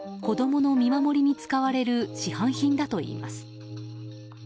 子供の見守りに使われる市販品だといいます。